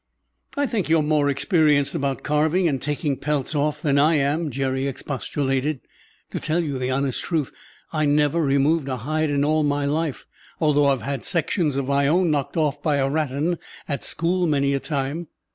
"I think you're more experienced about carving and taking pelts off than I am," Jerry expostulated. "To tell you the honest truth, I never removed a hide in all my life, though I've had sections of my own knocked off by a rattan at school many a time."